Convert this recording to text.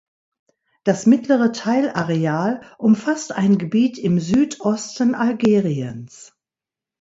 Das mittlere Teilareal umfasst ein Gebiet im Südosten Algeriens.